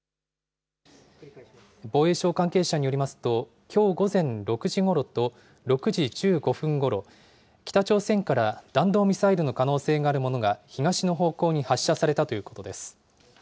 防衛省関係者によりますと、きょう午前６時ごろと６時１５分ごろ、北朝鮮から弾道ミサイルの可能性があるものが東の方向に発射されたということです。